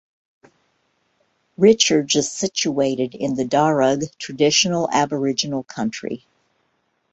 Richards is situated in the Darug traditional Aboriginal country.